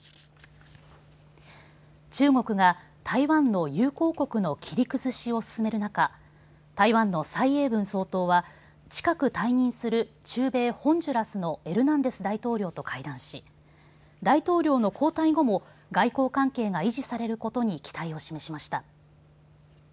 中国が、台湾の友好国の切り崩しを進める中台湾の蔡英文総統は近く退任する中米ホンジュラスのエルナンデス大統領と会談し大統領の交代後も外交関係が維持されることに期待を示しました。